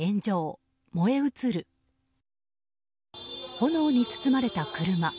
炎に包まれた車。